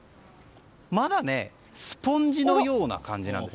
まだスポンジのような感じです。